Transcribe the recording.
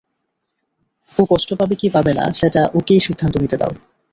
ও কষ্ট পাবে কি পাবে না, সেটা ওকেই সিদ্ধান্ত নিতে দাও।